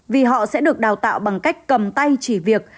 vì họ sẽ được đào tạo bằng cách cầm tay chỉ việc